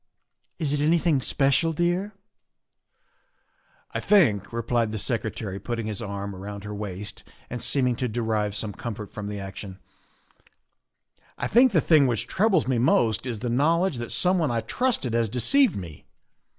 " Is it anything special, dear?" " I think," replied the Secretary, putting his arm around her waist and seeming to derive some comfort from the action, " I think the thing which troubles me most is the knowledge that someone I trusted has de ceived me.